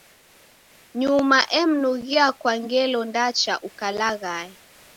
Nyuma emnughia kwa ngelo ndacha ukalaghaya.